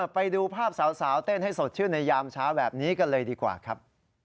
ไปดูภาพสาวเต้นให้สดชื่นในยามเช้าแบบนี้กันเลยดีกว่าครับ